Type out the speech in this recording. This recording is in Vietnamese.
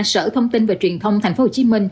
sở thông tin và truyền thông tp hcm